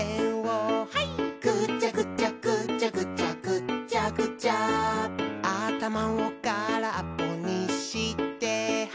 「ぐちゃぐちゃぐちゃぐちゃぐっちゃぐちゃ」「あたまをからっぽにしてハイ！」